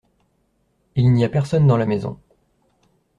Il n'y a personne dans la maison.